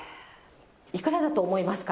いくらだと思いますか？